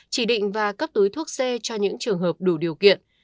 chỉ định và cấp túi thuốc c cho những trường hợp đủ điều kiện